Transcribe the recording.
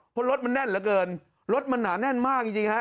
เพราะรถมันแน่นเหลือเกินรถมันหนาแน่นมากจริงฮะ